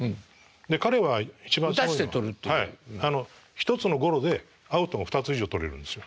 １つのゴロでアウトを２つ以上取れるんですよ。